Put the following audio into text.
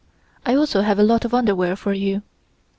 I also have a lot of underwear for you."